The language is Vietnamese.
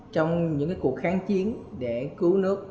trong những cuộc kháng chiến để cứu nước